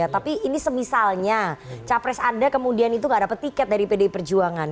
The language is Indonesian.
tapi ini semisalnya capres anda kemudian itu gak dapat tiket dari pdi perjuangan